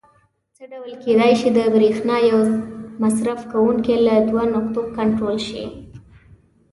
څه ډول کېدای شي د برېښنا یو مصرف کوونکی له دوو نقطو کنټرول شي؟